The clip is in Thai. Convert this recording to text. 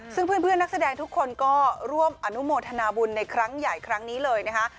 ซึ่งเพื่อนนักแสดงทุกคนก็ร่วมอนุโมทนาบุญในครั้งใหญ่ครั้งนี้เลยนะคะ